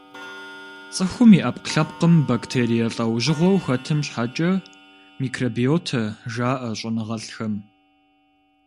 Цӏыхум и ӏэпкълъэпкъым бактерие лӏэужьыгъуэу хэтым щхьэкӏэ микробиотэ жаӏэ щӏэныгъэлӏхэм.